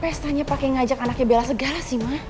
kenapa pesta nya pakai ngajak anaknya bella segala sih ma